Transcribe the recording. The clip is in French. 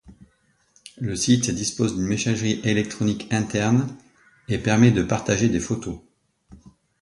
Le site dispose d'une messagerie électronique interne et permet de partager des photos.